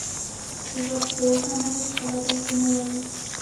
ژبپوهنه هېڅکله داسې نه وايي